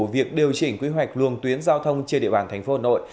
việc điều chỉnh quy hoạch luồng tuyến giao thông trên địa bàn thành phố hà nội